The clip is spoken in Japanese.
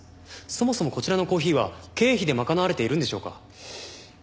そもそもこちらのコーヒーは経費で賄われているんでしょうか。